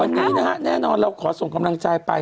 วันนี้นะฮะแน่นอนเราขอส่งกำลังใจไป